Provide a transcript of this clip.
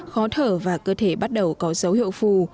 khó thở và cơ thể bắt đầu có dấu hiệu phù